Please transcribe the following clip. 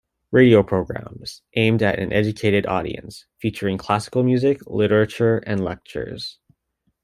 Radio programmes aimed at an educated audience, featuring classical music, literature and lectures.